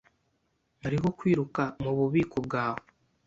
Hariho kwiruka mububiko bwawe.